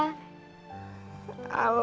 sebelum dia pindah